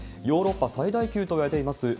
ヨーロッパ最大級といわれています